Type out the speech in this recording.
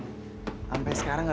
dan dia langsung ke langsungkoh